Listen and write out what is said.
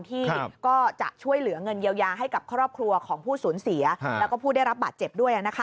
ที่ก็จะช่วยเหลือเงินเยียวยาให้กับครอบครัวของผู้สูญเสียแล้วก็ผู้ได้รับบาดเจ็บด้วย